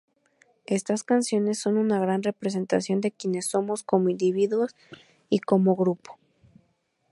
Estas canciones son una gran representación de quienes somos como individuos y como grupo.